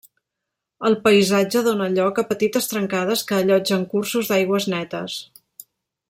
El paisatge dóna lloc a petites trencades que allotgen cursos d'aigües netes.